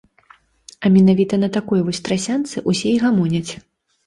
А менавіта на такой вось трасянцы ўсе і гамоняць.